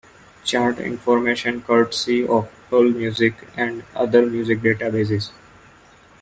Chart information courtesy of Allmusic and other music databases.